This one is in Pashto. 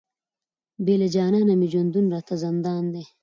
بې له جانانه مي ژوندون راته زندان دی،